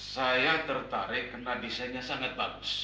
saya tertarik karena desainnya sangat bagus